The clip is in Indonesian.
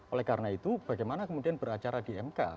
oleh karena itu bagaimana kemudian beracara di mk